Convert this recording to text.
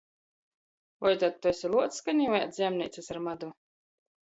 Voi tod tu esi luocs, ka niu ēd zemneicys ar madu?